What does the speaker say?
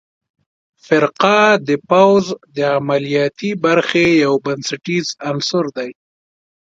فرقه د پوځ د عملیاتي برخې یو بنسټیز عنصر دی.